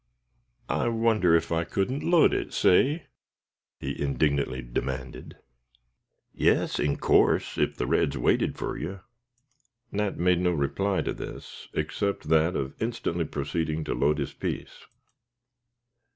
I wonder if I couldn't load it, say?" he indignantly demanded. "Yes, in course, if the reds waited fur yer." Nat made no reply to this, except that of instantly proceeding to load his piece.